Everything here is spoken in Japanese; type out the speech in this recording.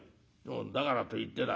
だからといってだ